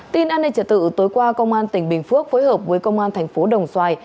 tin an ninh trả tự tối qua công an tỉnh bình phước phối hợp với công an thành phố đồng xoài